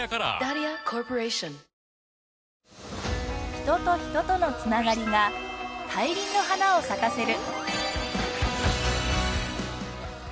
人と人との繋がりが大輪の花を咲かせる。